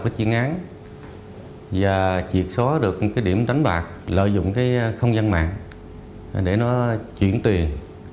cái chuyên án và triệt số được cái điểm đánh bạc lợi dụng cái không gian mạng để nó chuyển tiền